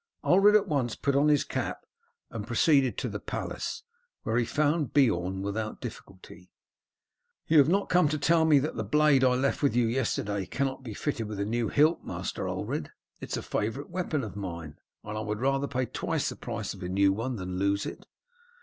Ulred at once put on his cap and proceeded to the palace, where he found Beorn without difficulty. "You have not come to tell me that the blade I left with you yesterday cannot be fitted with a new hilt, Master Ulred? It is a favourite weapon of mine, and I would rather pay twice the price of a new one than lose it."